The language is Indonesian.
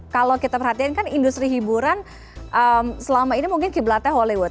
kalau kita perhatikan kan industri hiburan selama ini mungkin kiblatnya hollywoo